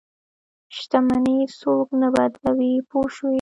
شتمني څوک نه بدلوي پوه شوې!.